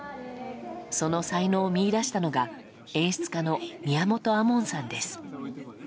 その才能を見いだしたのが演出家の宮本亞門さんです。